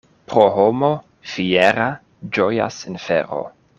Pro homo fiera ĝojas infero.